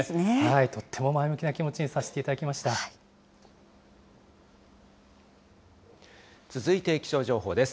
とっても前向きな気持ちにさ続いて気象情報です。